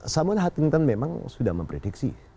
samuel h t memang sudah memprediksi